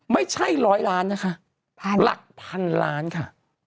ไม่ใช่ร้อยล้านนะคะหลักพันล้านค่ะ